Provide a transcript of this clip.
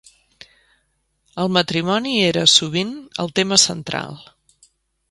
El matrimoni era, sovint, el tema central.